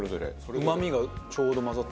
うまみがちょうど混ざって。